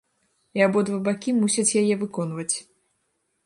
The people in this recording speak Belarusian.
І абодва бакі мусяць яе выконваць.